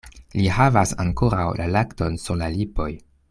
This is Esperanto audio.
Li havas ankoraŭ la lakton sur la lipoj.